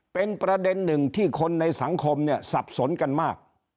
เป็นประเด็นหนึ่งที่คนในสังคมเนี่ยสับสนกันมาก